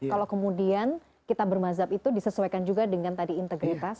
kalau kemudian kita bermadhab itu disesuaikan juga dengan integritas